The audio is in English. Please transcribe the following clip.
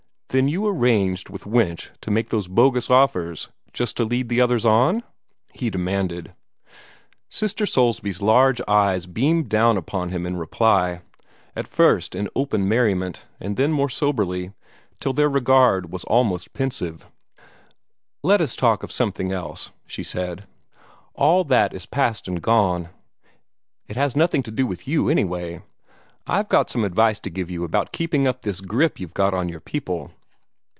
"Then you arranged with Winch to make those bogus offers just to lead others on?" he demanded. Sister Soulsby's large eyes beamed down upon him in reply, at first in open merriment, then more soberly, till their regard was almost pensive. "Let us talk of something else," she said. "All that is past and gone. It has nothing to do with you, anyway. I've got some advice to give you about keeping up this grip you've got on your people."